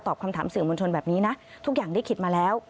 คำถามสื่อมวลชนแบบนี้นะทุกอย่างได้คิดมาแล้ว